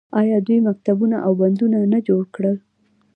آیا دوی مکتبونه او بندونه نه جوړ کړل؟